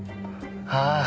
ああ